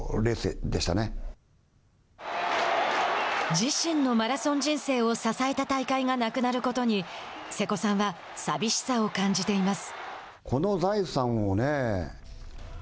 自身のマラソン人生を支えた大会がなくなることに瀬古さんは寂しさを感じています。